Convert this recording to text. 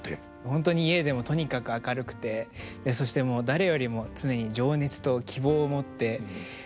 本当に家でもとにかく明るくてそして誰よりも常に情熱と希望を持ってもうやっぱり元気な人で。